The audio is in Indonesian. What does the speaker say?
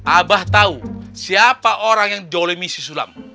abah tahu siapa orang yang dole misi sulam